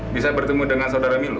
bisa bertemu dengan saudara milu